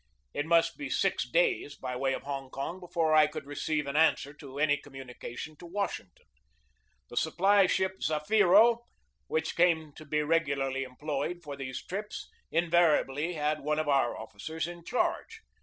It must be six days by way of Hong Kong before I could receive an answer to any communica tion to Washington. The supply ship Zafiro, which came to be regularly employed for these trips, inva riably had one of our officers in charge.